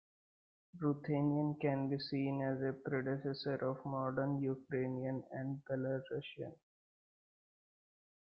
Ruthenian can be seen as a predecessor of modern Ukrainian and Belarusian.